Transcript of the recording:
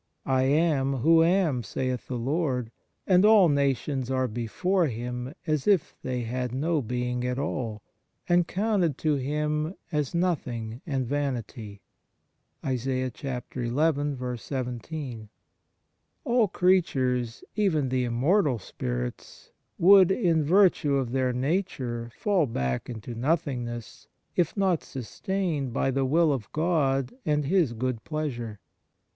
" I am who am," saith the Lord. And " all nations are before Him as if they had no being at all, and counted to Him as nothing and vanity." 1 All creatures, even the immortal spirits, would in virtue of their nature fall back into nothingness if not sustained by the will of God and His good pleasure.